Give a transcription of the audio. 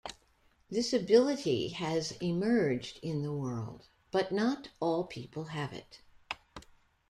This ability has emerged in the world, but not all people have it.